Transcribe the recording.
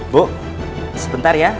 bu sebentar ya